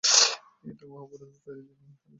এই মহাপুরুষ তৈরির জন্যই সে তার স্ত্রীকে হত্যা করে।